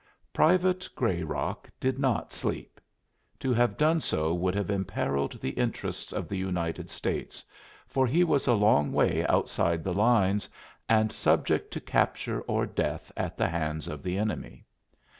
Private Grayrock did not sleep; to have done so would have imperiled the interests of the United States, for he was a long way outside the lines and subject to capture or death at the hands of the enemy.